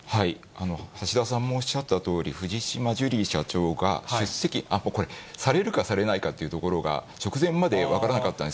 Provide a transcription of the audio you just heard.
橋田さんもおっしゃったとおり、藤島ジュリー社長が出席、これ、されるかされないかというところが直前まで分からなかったんです